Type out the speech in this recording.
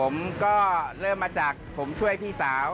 หมูกรอบของผมก็เริ่มมาจากผมช่วยพี่เต๋า